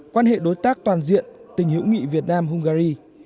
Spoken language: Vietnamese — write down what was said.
quan hệ đối tác toàn diện tình hữu nghị việt nam hungary